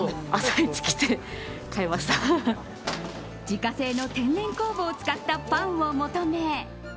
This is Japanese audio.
自家製の天然酵母を使ったパンを求め